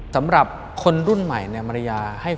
สำหรับคนรุ่นใหม่ในมารยาให้ความเยี่ยม